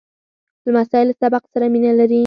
لمسی له سبق سره مینه لري.